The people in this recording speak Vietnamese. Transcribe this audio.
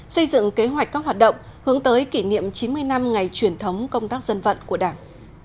xây dựng kế hoạch các hoạt động hướng tới kỷ niệm chín mươi năm ngày truyền thống công tác dân vận của đảng